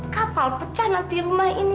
kapal pecah nanti rumah ini